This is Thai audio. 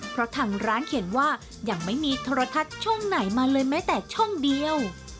เพราะทางร้านเขียนว่ายังไม่มีโทรทัศน์ช่องไหนมาเลยแม้แต่ช่องเดียว